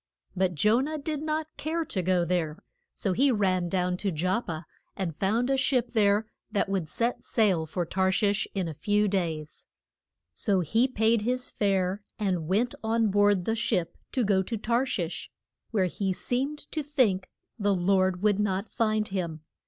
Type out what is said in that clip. But Jo nah did not care to go there, so he ran down to Jop pa and found a ship there that would set sail for Tar shish in a few days. So he paid his fare, and went on board the ship to go to Tar shish, where he seemed to think the Lord would not find him.